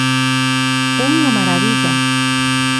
¡É unha marabilla!